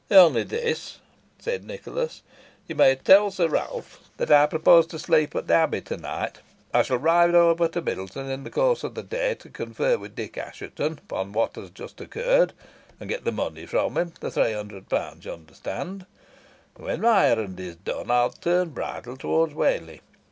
"Only this," said Nicholas; "you may tell Sir Ralph that I propose to sleep at the Abbey to night. I shall ride over to Middleton in the course of the day, to confer with Dick Assheton upon what has just occurred, and get the money from him the three hundred pounds, you understand and when my errand is done, I will turn bridle towards Whalley.